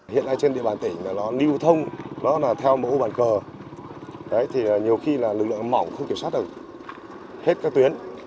hiện nay trên địa bàn tỉnh là nó lưu thông nó là theo mẫu bàn cờ đấy thì nhiều khi là lực lượng mỏng không kiểm soát được hết cái tuyến